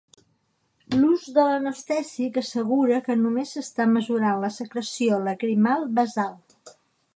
L'ús de l'anestèsic assegura que només s'està mesurant la secreció lacrimal basal.